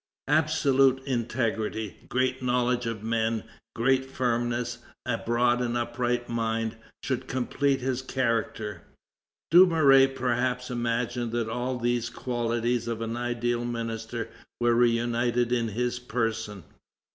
Absolute integrity, great knowledge of men, great firmness, a broad and upright mind, should complete his character." Dumouriez perhaps imagined that all these qualities of an ideal minister were reunited in his person.